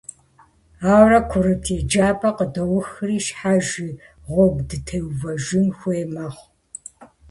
Ауэрэ курыт еджапӀэр къыдоухри, щхьэж и гъуэгу дытеувэжын хуей мэхъу.